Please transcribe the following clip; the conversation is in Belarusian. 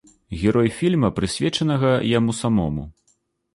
Герой фільма, прысвечанага яму самому.